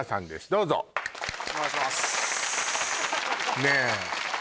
どうぞお願いしますねえ